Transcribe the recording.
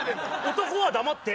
男は黙って。